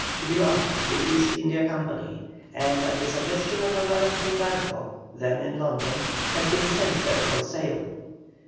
She belonged to the East India Company, and at the suggestion of Alvarez Condarco, then in London, had been sent there for sale.